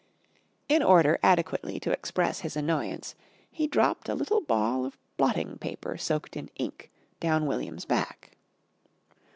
In order adequately to express his annoyance, he dropped a little ball of blotting paper soaked in ink down William's back.